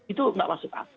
itu tidak masuk akal